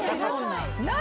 何？